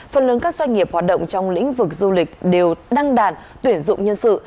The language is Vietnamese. phần lớn các doanh nghiệp hoạt động trong lĩnh vực du lịch đều đăng đàn tuyển dụng nhân sự